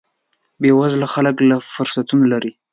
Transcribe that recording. بې وزله خلک لږ فرصتونه لري.